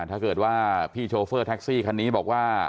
ถ้าเกิดว่าพี่โชเฟอร์แท็กซี่คันนี้บอกว่า